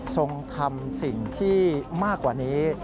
ทรงทำสิ่งที่มากกว่านี้